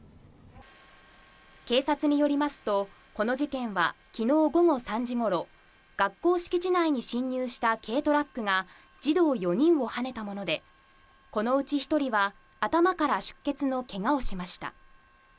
警察によりますと、この事件はきのう午後３時ごろ、学校敷地内に進入した軽トラックが児童４人をはねたもので、このうち１人は頭から出血のけがをしました。